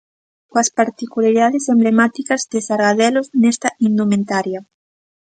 Coas particularidades emblemáticas de Sargadelos nesta indumentaria.